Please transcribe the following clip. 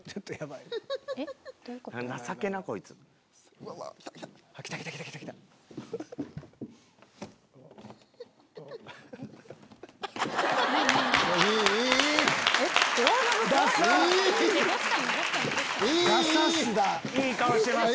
いい顔してます。